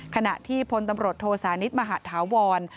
ขณะที่พลตำรวจโทสานิทมหาธาวร